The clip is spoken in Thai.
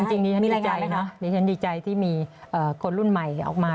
จริงนี่ลายงานแล้วดิฉันดีใจที่มีคนรุ่นใหม่ออกมา